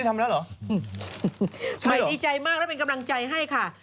มัยดีใจมากแล้วเป็นกำลังใจให้ค่ะ